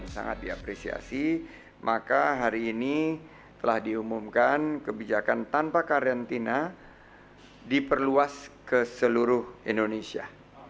sangat diapresiasi maka hari ini telah diumumkan kebijakan tanpa karantina diperluas ke seluruh indonesia